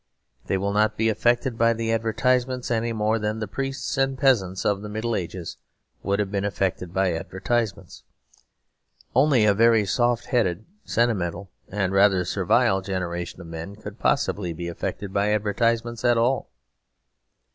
They will not be affected by advertisements, any more than the priests and peasants of the Middle Ages would have been affected by advertisements. Only a very soft headed, sentimental, and rather servile generation of men could possibly be affected by advertisements at all.